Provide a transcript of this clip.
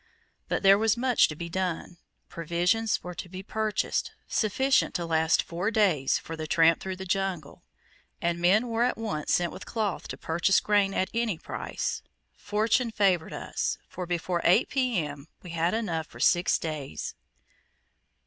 But there was much to be done. Provisions were to be purchased, sufficient to last four days, for the tramp through the jungle, and men were at once sent with cloth to purchase grain at any price. Fortune favoured us, for before 8 P.M. we had enough for six days.